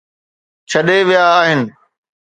ڇڏي ويا آهن